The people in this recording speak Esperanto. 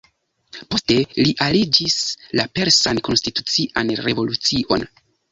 Poste, li aliĝis la Persan Konstitucian Revolucion.